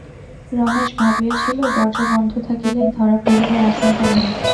রমেশ ভাবিয়াছিল, দরজা বন্ধ থাকিলেই ধরা পড়িবার আশঙ্কা নাই।